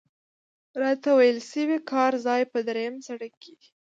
راته ویل شوي کار ځای په درېیم سړک کې دی.